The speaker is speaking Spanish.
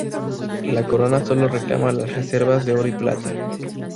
La corona solo reclama las reservas de oro y plata.